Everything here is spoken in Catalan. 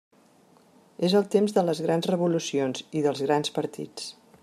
És el temps de les grans revolucions i dels grans partits.